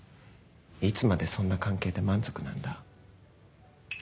いつまでそんな関係で満足なんだ？